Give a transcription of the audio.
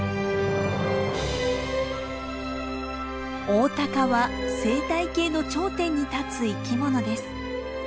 オオタカは生態系の頂点に立つ生き物です。